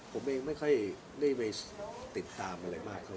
ผมมีค่อยในที่ติดตามอะไรมาก